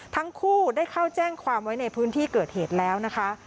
ทั้งคู่ได้เข้าแจ้งความไว้ในพื้นที่เกิดเหตุแล้วนะคะ